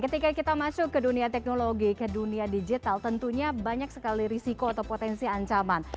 ketika kita masuk ke dunia teknologi ke dunia digital tentunya banyak sekali risiko atau potensi ancaman